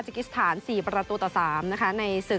ก็จะเมื่อวันนี้ตอนหลังจดเกม